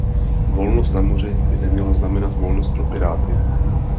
Volnost na moři by neměla znamenat volnost pro piráty.